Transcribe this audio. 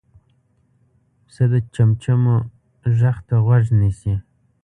پسه د چمچمو غږ ته غوږ نیسي.